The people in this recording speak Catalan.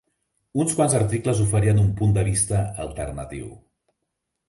Uns quants articles oferien un punt de vista alternatiu.